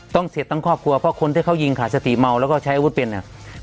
ต้องเสียทั้งครอบครัวเพราะคนที่เขายิงขาดสติเมาแล้วก็ใช้อาวุธเป็นเนี่ย